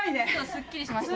すっきりしました。